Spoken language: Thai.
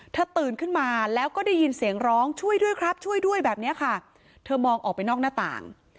ตื่นขึ้นมาแล้วก็ได้ยินเสียงร้องช่วยด้วยครับช่วยด้วยแบบเนี้ยค่ะเธอมองออกไปนอกหน้าต่าง